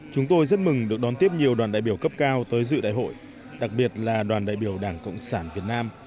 chúng tôi rất mừng được đón tiếp nhiều đoàn đại biểu cấp cao tới dự đại hội đặc biệt là đoàn đại biểu đảng cộng sản việt nam